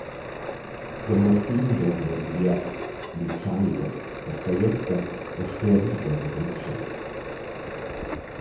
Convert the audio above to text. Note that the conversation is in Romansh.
Jon Martin dovra il vierv «lütschaider» per sajetta o sclerida vi dal tschêl.